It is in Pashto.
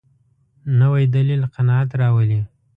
نوی دلیل قناعت راولي